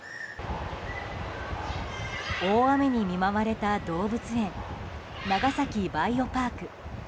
大雨に見舞われた動物園長崎バイオパーク。